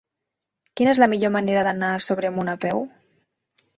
Quina és la millor manera d'anar a Sobremunt a peu?